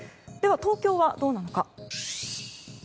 では、東京はどうなのか。